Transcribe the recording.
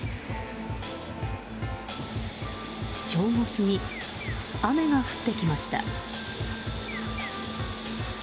正午過ぎ雨が降ってきました。